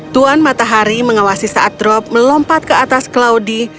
tuan matahari mengawasi saat drop melompat ke atas claudie